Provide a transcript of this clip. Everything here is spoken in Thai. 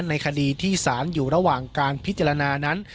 ในคดีที่ศาลอยู่ระหว่างการพิจารณานั้น